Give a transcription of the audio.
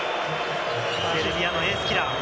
セルビアのエースキラー。